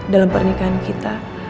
dalam pernikahan kita